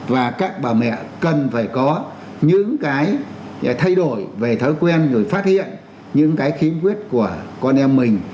và các bà mẹ cần phải có những cái thay đổi về thói quen rồi phát hiện những cái khiếm khuyết của con em mình